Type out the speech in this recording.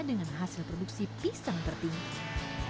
dengan hasil produksi pisang tertinggi